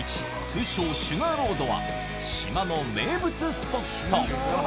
通称シュガーロードは島の名物スポット